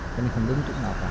cho nên không đứng chỗ nào cả